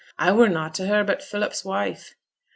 I were nought to her but Philip's wife.'